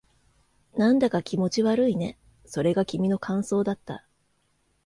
なんだか気持ち悪いね。それが君の感想だった。